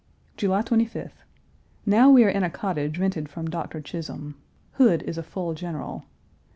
July 25th. Now we are in a cottage rented from Doctor Chisolm. Hood is a full general.